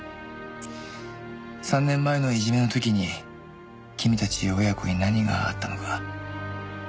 ３年前のいじめの時に君たち親子に何があったのか。